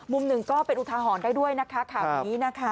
มุมหนึ่งก็เป็นอุทาหรณ์ได้ด้วยนะคะข่าวนี้นะคะ